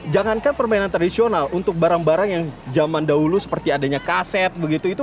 jangankan permainan tradisional untuk barang barang yang zaman dahulu seperti adanya kaset begitu itu